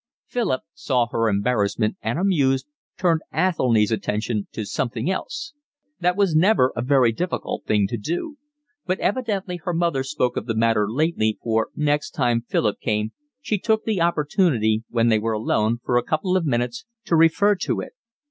Philip saw her embarrassment, and, amused, turned Athelny's attention to something else. That was never a very difficult thing to do. But evidently her mother spoke of the matter later, for next time Philip came she took the opportunity when they were alone for a couple of minutes to refer to it.